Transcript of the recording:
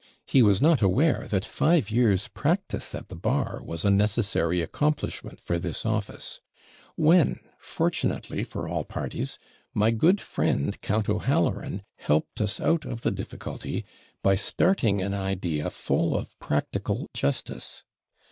He was not aware that five years' practice at the bar was a necessary accomplishment for this office; when, fortunately for all parties, my good friend, Count O'Halloran, helped us out of the difficulty, by starting an idea full of practical justice.